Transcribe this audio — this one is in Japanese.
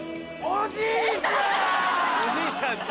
おじいちゃんと。